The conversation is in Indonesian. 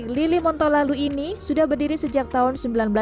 ketilai montolalu ini sudah berdiri sejak tahun seribu sembilan ratus delapan puluh lima